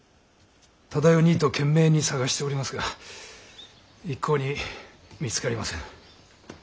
忠世兄ぃと懸命に捜しておりますが一向に見つかりません。